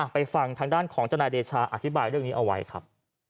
ไปฟังทางด้านของทนายเดชาอธิบายเรื่องนี้เอาไว้ครับ